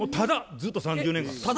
ずっと３０年間。